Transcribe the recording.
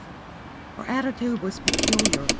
Her attitude was peculiar.